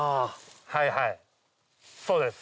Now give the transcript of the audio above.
はいはいそうです。